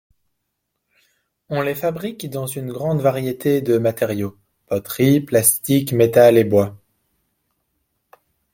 On les fabrique dans une grande variété de matériaux, poterie, plastique, métal et bois.